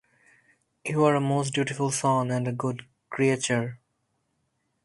You are a most dutiful son and a good creature.